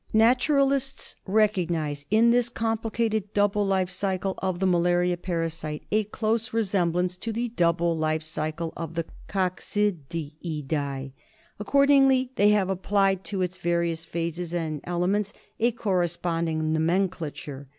Naturalists recognise in this complicated double life cycle of the malaria parasite a close resemblance to the double life cycle of the Coccidiidas. Accordingly they have applied to its various phases and elements a corre sponding nomenclature.